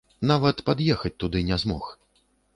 Нават пад'ехаць туды не змог.